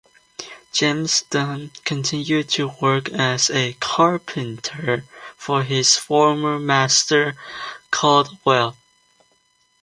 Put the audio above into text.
James Dunn continued to work as a carpenter for his former master Caldwell.